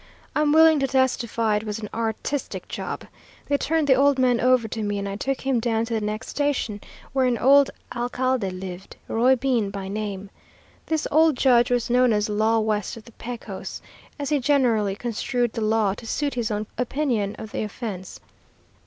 I'm willing to testify it was an artistic job. They turned the old man over to me, and I took him down to the next station, where an old alcalde lived, Roy Bean by name. This old judge was known as 'Law west of the Pecos,' as he generally construed the law to suit his own opinion of the offense.